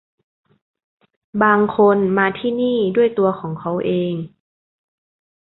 บางคนมาที่นี่ด้วยตัวของเค้าเอง